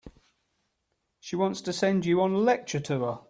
She wants to send you on a lecture tour.